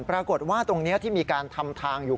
ปรากฏว่าตรงนี้ที่มีการทำทางอยู่